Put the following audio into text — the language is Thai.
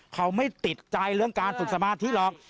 เขาไม่ติดใจเรื่องการฝึกสมาธิหรอก